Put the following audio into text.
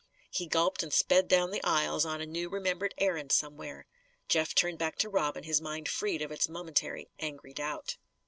He gulped, and sped down the aisles on a new remembered errand somewhere. Jeff turned back to Robin, his mind freed of its momentary angry doubt.